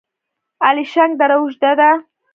الیشنګ دره اوږده ده؟